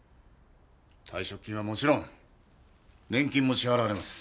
退職金はもちろん年金も支払われます。